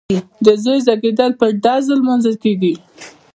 د زوی زیږیدل په ډزو لمانځل کیږي.